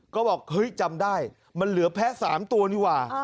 ก็บอกเฮ้ยจำได้มันเหลือแพ้๓ตัวนี่ว่า